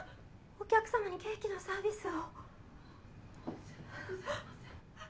お客様にケーキのサービスを。